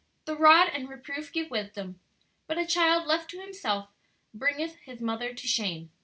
"The rod and reproof give wisdom: but a child left to himself bringeth his mother to shame."